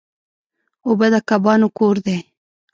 اوبه د کبانو کور دی.